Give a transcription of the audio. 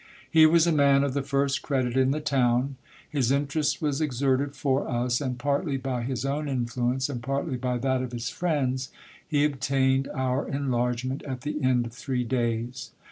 He was a man of the first credit in the town : his interest was exerted for us, and partly by his own influence, and partly by that of his friends, he obtained our enlargement at the end of three days.